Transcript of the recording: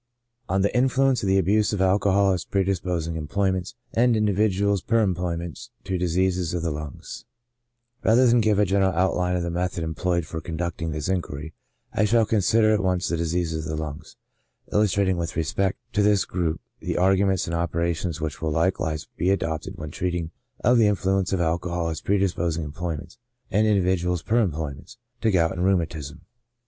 On the Influence of the abuse of Alcohol as predisposing Em ployments^ and Individuals per Employments^ to diseases of the Lungs, Rather than give a general outline of the method em ployed for conducting this inquiry, I shall consider at once the Diseases of the Lungs^ illustrating with respect to this group the arguments and operations which will likewise be adopted when treating of the influence of alcohol as pre disposing employments, and individuals per employments, to gout and rheumatism.